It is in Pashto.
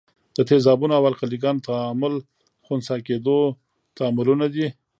د تیزابونو او القلي ګانو تعامل خنثي کیدو تعاملونه دي.